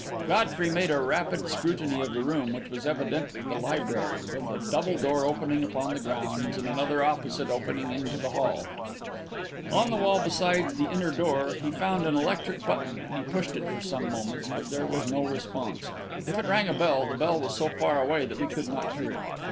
Godfrey made a rapid scrutiny of the room, which was evidently the library, with a double door opening upon the grounds and another opposite opening into the hall. On the wall beside the inner door, he found an electric button, and he pushed it for some moments, but there was no response. If it rang a bell, the bell was so far away that we could not hear it.